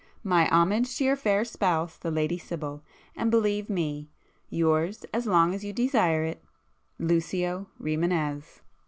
My homage to your fair spouse, the Lady Sibyl, and believe me, Yours as long as you desire it Lucio Rimânez.